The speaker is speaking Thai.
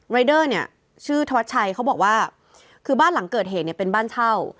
รายเดอร์เนี่ยชื่อธวัชชัยเขาบอกว่าคือบ้านหลังเกิดเหตุเนี่ยเป็นบ้านเช่า